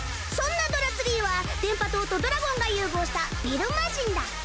そんなドラツリーは電波塔とドラゴンが融合した「ビルマジン」だ！